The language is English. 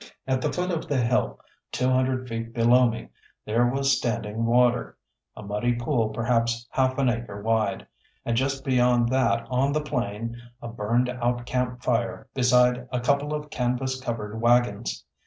At the foot of the hill, two hundred feet below me, there was standing water a muddy pool perhaps half an acre wide and just beyond that on the plain a burned out camp fire beside a couple of canvas covered waggons.